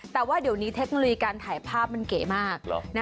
แต่ว่าเดี๋ยวนี้การถ่ายภาพมันเก๋มาก